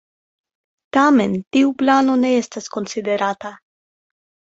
Tamen tiu plano ne estis konsiderata.